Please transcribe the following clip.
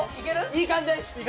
いい感じです！